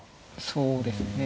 そうですね。